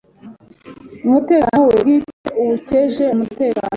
Umutekeno we bwite ewukeshe umutekeno